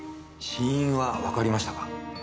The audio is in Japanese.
死因はわかりましたか？